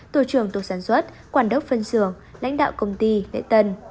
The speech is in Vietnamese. tổ trưởng tổ sản xuất quản đốc phân xưởng lãnh đạo công ty lễ tân